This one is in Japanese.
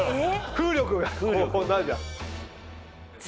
風力がこうなるじゃん。